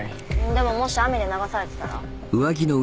でももし雨で流されてたら？